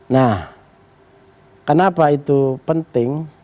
nah kenapa itu penting